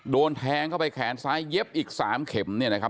โดนแทงเข้าไปแขนซ้ายเย็บอีก๓เข็มเนี่ยนะครับ